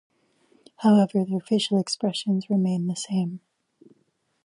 However, their facial expressions remain the same.